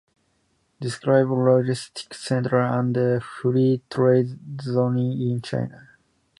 Describe logistics centers and Free Trade Zones in China.